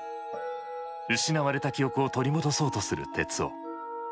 失われた記憶を取り戻そうとする徹生。